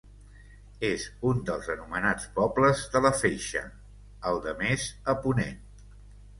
És un dels anomenats pobles de la Feixa, el de més a ponent.